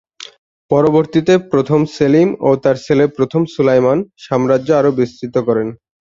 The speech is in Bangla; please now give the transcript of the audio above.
পরবর্তীতে প্রথম সেলিম ও তার ছেলে প্রথম সুলাইমান সাম্রাজ্য আরো বিস্তৃত করেছেন।